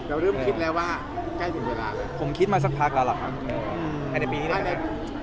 แต่เริ่มคิดแล้วว่าใกล้ถึงเวลาผมคิดมาสักพักแล้วหรอครับอันในปีนี้ได้ไหมครับ